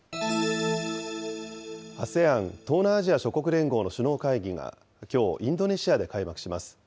ＡＳＥＡＮ・東南アジア諸国連合の首脳会議がきょう、インドネシアで開幕します。